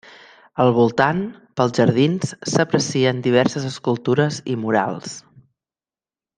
Al voltant, pels jardins s'aprecien diverses escultures i murals.